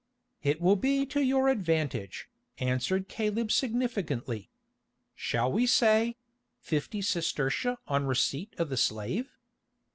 "It will be to your advantage," answered Caleb significantly. "Shall we say—fifty sestertia on receipt of the slave?"